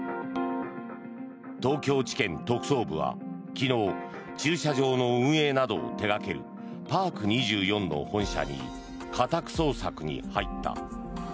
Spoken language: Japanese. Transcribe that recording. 東京地検特捜部は、昨日駐車場の運営などを手掛けるパーク２４の本社に家宅捜索に入った。